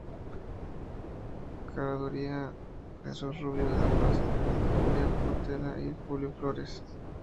Curaduría Jesús Rubio La Paz, Julia Portela y Julio Flores.